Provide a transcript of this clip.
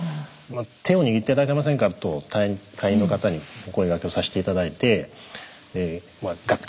手を握って頂けませんかと隊員の方にお声がけをさせて頂いてガッと